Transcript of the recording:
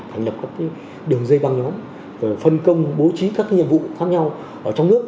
thành lập các đường dây băng nhóm phân công bố trí các nhiệm vụ khác nhau ở trong nước